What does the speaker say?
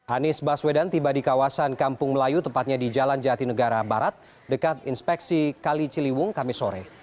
anies baswedan tiba di kawasan kampung melayu tepatnya di jalan jati negara barat dekat inspeksi kali ciliwung kami sore